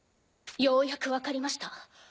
ようやくわかりました。